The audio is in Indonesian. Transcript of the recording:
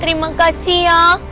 terima kasih ya